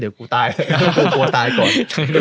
เดี๋ยวกูตายกูกลัวตายก่อน